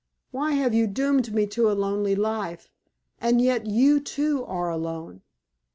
Why have you doomed me to a lonely life? And yet you, too, are alone."